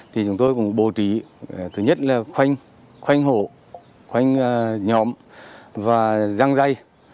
thì chúng tôi cũng bố trí thứ nhất là khoanh khoanh hộ khoanh nhóm và giang dây